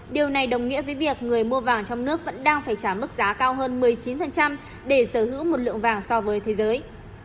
điều này đồng nghĩa với việc người mua vàng trong nước vẫn đang phải trả mức giá cao hơn một mươi chín để sở hữu một lượng vàng so với thế giới